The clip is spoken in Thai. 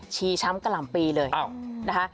ช้ำกะหล่ำปีเลยนะคะ